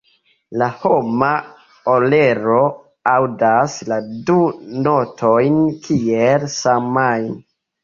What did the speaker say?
La homa orelo aŭdas la du notojn kiel samajn.